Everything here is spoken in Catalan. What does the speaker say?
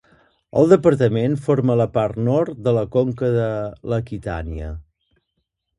El departament forma la part nord de la conca de l'Aquitània.